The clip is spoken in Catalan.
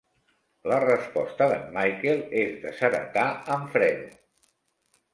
La resposta d'en Michael és desheretar en Fredo.